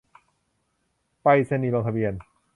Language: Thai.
ไปรษณีย์ลงทะเบียน